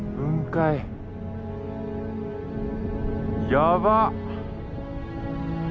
やばっ！